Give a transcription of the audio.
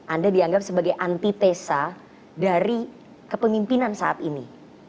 anda dianggap sebagai anti tesa dari kepemimpinan saat ini